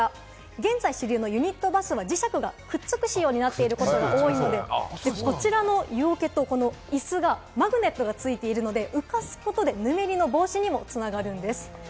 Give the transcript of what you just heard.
現在、主流のユニットバスは磁石がくっつく仕様になっていることが多いので、マグネットがついているので浮かすことでぬめりの防止になるということなんです。